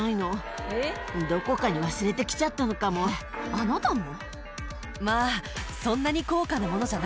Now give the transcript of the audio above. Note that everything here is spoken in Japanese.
あなたも？